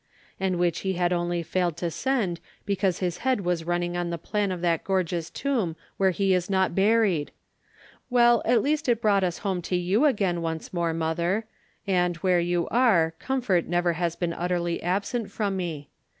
and which he had only failed to send because his head was running on the plan of that gorgeous tomb where he is not buried! Well, at least it brought us home to you again once more, mother, and, where you are, comfort never has been utterly absent from me.